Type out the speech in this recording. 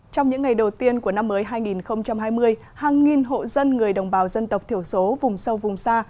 trong những ngày đầu tiên của năm mới hai nghìn hai mươi hàng nghìn hộ dân người đồng bào dân tộc thiểu số vùng sâu vùng xa